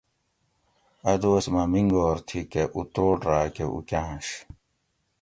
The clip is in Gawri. اۤ دوس مہ مینگور تھی کہ اتروڑ راۤ کہ اوکاۤںش